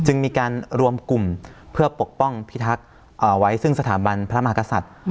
มีการรวมกลุ่มเพื่อปกป้องพิทักษ์ไว้ซึ่งสถาบันพระมหากษัตริย์